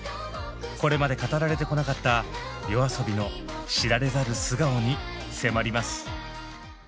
これまで語られてこなかったＹＯＡＳＯＢＩの知られざる素顔に迫ります。